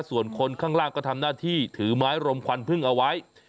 ส่วนคนข้างล่างก็ทำหน้าที่ถือไม้รมควันพึ่งเอาไว้